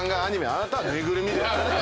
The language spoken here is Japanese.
あなたはぬいぐるみで。